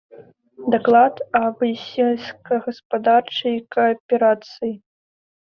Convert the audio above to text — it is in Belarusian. Даклад аб сельскагаспадарчай кааперацыі.